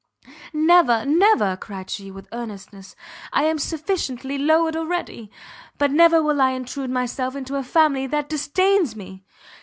"Never, never!" cried she, with earnestness, "I am sufficiently lowered already, but never will I intrude myself into a family that disdains me!"